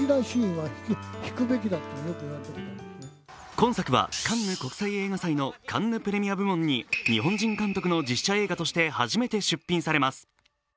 今作は、カンヌ国際映画祭のカンヌ・プレミア部門に日本人監督の実写映画として初めて出品されます。